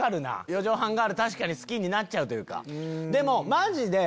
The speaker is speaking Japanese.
四畳半ガール確かに好きになっちゃうというか。